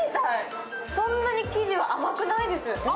そんなに生地は甘くないです。